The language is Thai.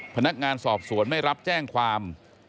พนักงานสอบสวนไม่รับแจ้งความ